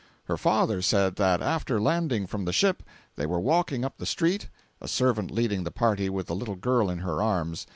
Her father said that, after landing from the ship, they were walking up the street, a servant leading the party with the little girl in her arms.